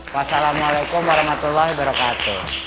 wassalamualaikum warahmatullahi wabarakatuh